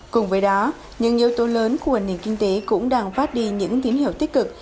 cùng với đó những yếu tố lớn của nền kinh tế cũng đang phát đi những tín hiệu tích cực